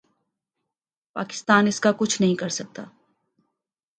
پاکستان اس کا کچھ نہیں کر سکتا۔